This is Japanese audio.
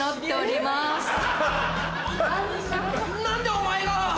何でお前が。